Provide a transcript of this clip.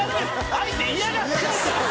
相手嫌がってるやん！」